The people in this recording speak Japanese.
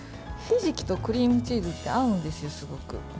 ひじきとクリームチーズって合うんですよ、すごく。